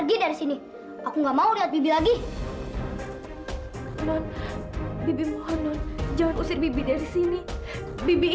lagi dari sini aku nggak mau lihat bibi lagi mohon bibi mohon jangan usir bibi dari sini bibi